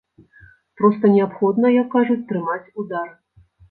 Проста неабходна, як кажуць, трымаць удары.